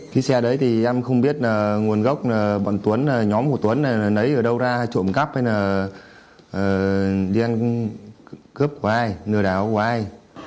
cái xe đấy thì em không biết nguồn gốc bọn tuấn nhóm của tuấn là nấy ở đâu ra trộm cắp hay là đi ăn cướp của ai nửa đảo của ai